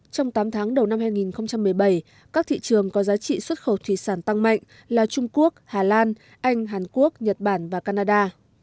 trong tám tháng đầu năm hai nghìn một mươi bảy các thị trường có giá trị xuất khẩu thủy sản tăng mạnh là trung quốc hà lan anh hàn quốc nhật bản và canada